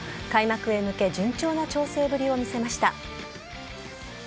開幕へ向け、順調な調整ぶりを見せました。